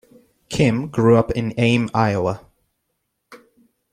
Kim grew up in Ames, Iowa.